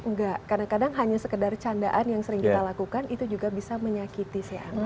enggak kadang kadang hanya sekedar candaan yang sering kita lakukan itu juga bisa menyakiti si anak